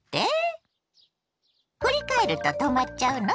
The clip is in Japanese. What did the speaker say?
振り返ると止まっちゃうの？